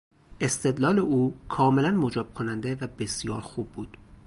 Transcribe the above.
استدلال او کاملا مجاب کننده و بسیار خوب بود.